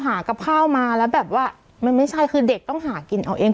หากับข้าวมาแล้วแบบว่ามันไม่ใช่คือเด็กต้องหากินเอาเอง